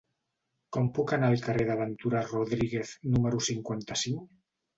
Com puc anar al carrer de Ventura Rodríguez número cinquanta-cinc?